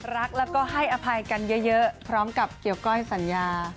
รักแล้วก็ให้อภัยกันเยอะพร้อมกับเกี่ยวก้อยสัญญา